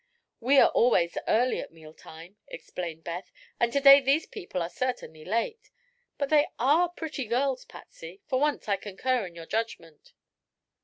"We are always early at meal time," explained Beth, "and to day these people are certainly late. But they are pretty girls, Patsy. For once I concur in your judgment."